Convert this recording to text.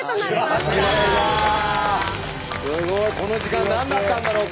すごい！この時間何だったんだろうか？